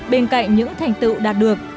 bên cạnh những thành tựu đạt được